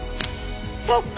そっか！